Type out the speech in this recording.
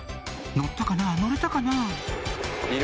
「乗ったかな？乗れたかな？」